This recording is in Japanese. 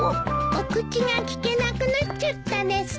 お口が利けなくなっちゃったですか？